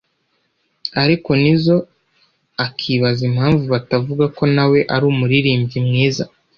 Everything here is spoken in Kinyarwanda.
ariko Nizzo akibaza impamvu batavuga ko na we ari umuririmbyi mwiza”